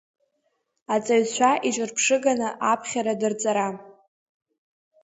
Аҵаҩцәа иҿырԥшыганы аԥхьара дырҵара.